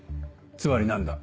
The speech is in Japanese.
つまり何だ？